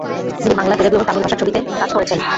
যিনি বাংলা, তেলুগু এবং তামিল ভাষার ছবিতে কাজ করেছেন।